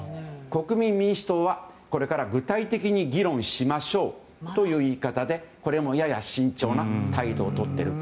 国民民主党はこれから具体的に議論しましょうという言い方でこれもやや慎重な態度をとっている。